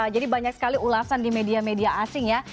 jadi banyak sekali ulasan di media media asing ya